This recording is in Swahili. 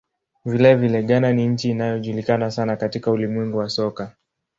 Vilevile, Ghana ni nchi inayojulikana sana katika ulimwengu wa soka.